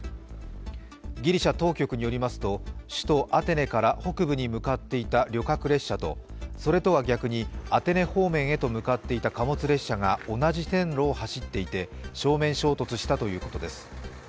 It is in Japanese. ギリシャ当局によりますと、首都アテネから北部に向かっていた旅客列車とそれとは逆にアテネ方面へと向かっていた貨物列車が同じ線路を走っていて正面衝突したということです。